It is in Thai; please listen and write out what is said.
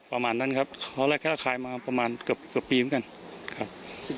ประมาณนั้นครับครั้งแรกก็คลายมาประมาณเกือบปีเหมือนกันครับ